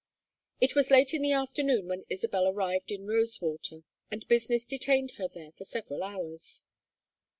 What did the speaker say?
It was late in the afternoon when Isabel arrived in Rosewater, and business detained her there for several hours.